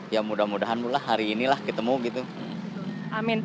ya mudah mudahan mulai hari ini lah ketemu gitu amin